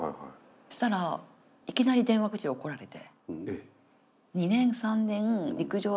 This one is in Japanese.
そしたらいきなり電話口で怒られて。